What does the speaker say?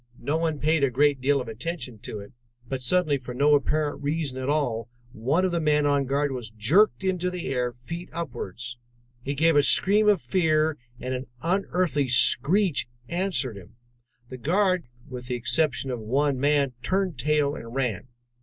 No one paid a great deal of attention to it, but suddenly for no apparent reason at all one of the men on guard was jerked into the air feet upwards. He gave a scream of fear, and an unearthly screech answered him. The guard, with the exception of one man, turned tail and ran.